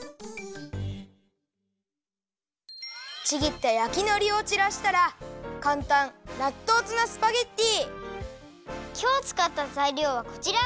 ちぎったやきのりをちらしたらかんたんきょうつかったざいりょうはこちら！